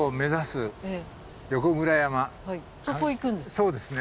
そうですね。